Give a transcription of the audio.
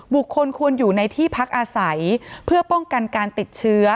ควรอยู่ในที่พักอาศัยเพื่อป้องกันการติดเชื้อ